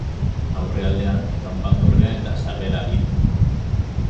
Aurrealdean kanpandorrea eta sarrera ditu.